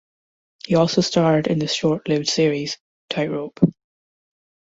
He also starred in the short-lived series Tightrope!